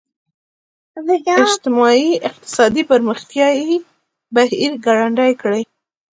اجتماعي اقتصادي پرمختیايي بهیر ګړندی کړي.